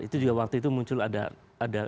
itu juga waktu itu muncul ada